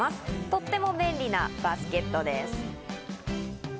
とっても便利なバスケットです。